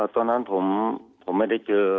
ตอนนั้นผมไม่ได้เจอ